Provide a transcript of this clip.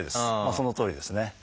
そのとおりですね。